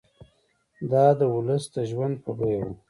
دا د ولس د ژوند په بیه وو.